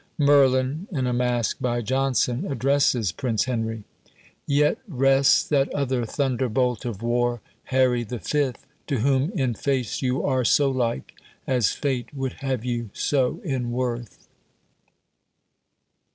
Merlin, in a masque by Jonson, addresses Prince Henry, Yet rests that other thunderbolt of war, Harry the Fifth; to whom in face you are So like, as fate would have you so in worth.